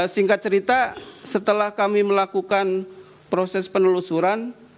singkat cerita setelah kami melakukan proses penelusuran